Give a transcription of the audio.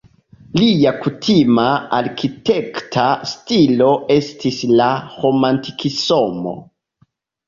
Lia kutima arkitekta stilo estis la romantikismo.